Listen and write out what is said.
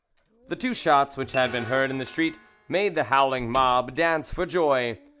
The two shots, which had been heard in the street, made the howling mob dance for joy.